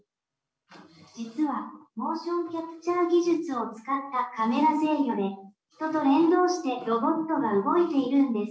実はモーションキャプチャー技術を使ったカメラ制御で人と連動してロボットが動いているんです。